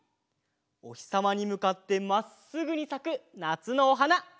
おひさまにむかってまっすぐにさくなつのおはな。